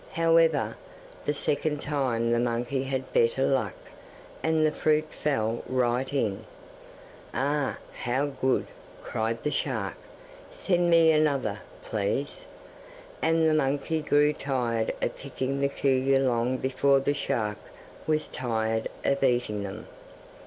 However, the second time the monkey had better luck, and the fruit fell right in. 'Ah, how good!' cried the shark. 'Send me another, please.' And the monkey grew tired of picking the kuyu long before the shark was tired of eating them.